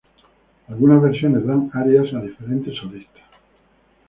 Algunas versiones dan arias a diferentes solistas.